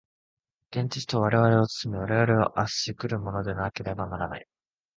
現実とは我々を包み、我々を圧し来るものでなければならない。